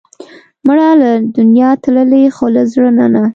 مړه له دنیا تللې، خو له زړه نه نه